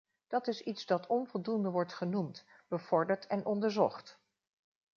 Dat is iets dat onvoldoende wordt genoemd, bevorderd en onderzocht.